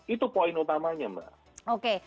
itu poin utamanya mbak